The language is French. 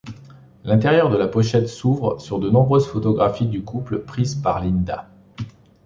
L'intérieur de la pochette s'ouvre sur de nombreuses photographies du couple prises par Linda.